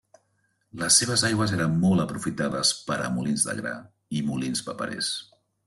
Les seves aigües eren molt aprofitades per a molins de gra i molins paperers.